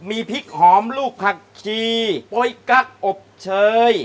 มีพริกหอมลูกผักชีโป๊ยกั๊กอบเชย